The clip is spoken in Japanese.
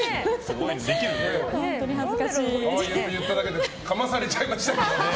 ちょっと言っただけでかまされちゃいました。